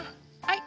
はい。